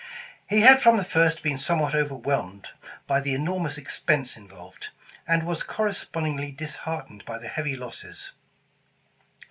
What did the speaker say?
He had from the first been somewhat overwhelmed by the enormous expense involved, and was corres pondingly disheartened by the heavy losses.